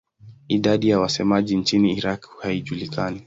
Idadi ya wasemaji nchini Iraq haijulikani.